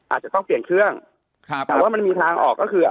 อาจจะต้องเปลี่ยนเครื่องครับแต่ว่ามันมีทางออกก็คือ